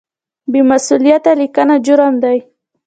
بې مسؤلیته لیکنه جرم دی.